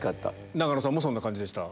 永野さんもそんな感じでした？